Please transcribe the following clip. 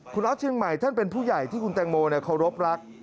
คุณออสเชียงใหม่ท่านเป็นผู้ใหญ่ที่คุณแตงโมเคารพรัก